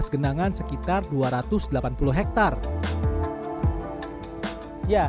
genangan sekitar dua ratus delapan puluh hektare